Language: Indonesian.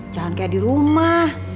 jangan kayak dirumah